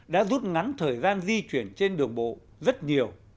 đã rút ngắn thời gian di chuyển trên đường bộ rất nhiều